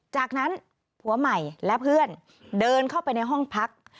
จากนั้นผัวใหม่และเพื่อนเดินเข้าไปในห้องพัก